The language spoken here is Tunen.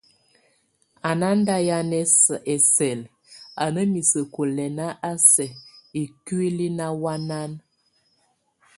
A nándahian ɛsɛl, a ná miseku lɛn a sɛkikúli náhuanan.